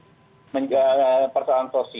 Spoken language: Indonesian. persoalan sosial lalu ujung ujungnya ke persoalan politik